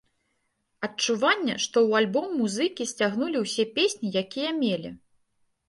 Адчуванне, што ў альбом музыкі сцягнулі ўсе песні, якія мелі.